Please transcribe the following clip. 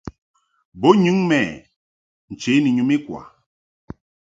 Bo nyɨŋ mɛ nche ni nyum ikwa.